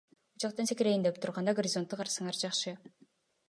Учактан секирейин деп турганда горизонтту карасаңар жакшы.